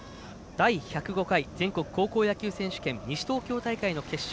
第１０５回全国高校野球選手権西東京大会の決勝。